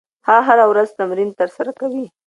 هغه هره ورځ تمرین ترسره کوي.